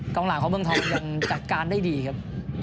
กลางหลังของเมืองทองยังจัดการได้ดีครับ